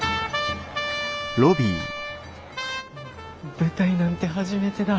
舞台なんて初めてだ。